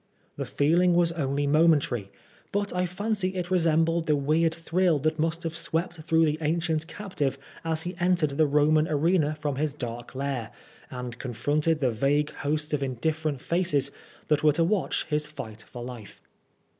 The feeling was only momentary, but I fancy it resembled the weird thrill that must have swept through the ancient captive as he entered the Roman arena from his dark lair, and confronted the vague host of in different faces that were to watch his fight for life.